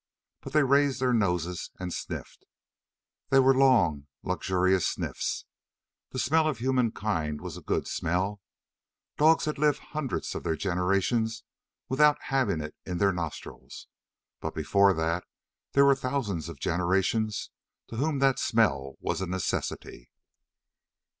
But they raised their noses and sniffed. They were long, luxurious sniffs. The smell of human kind was a good smell. Dogs had lived hundreds of their generations without having it in their nostrils, but before that there were thousands of generations to whom that smell was a necessity.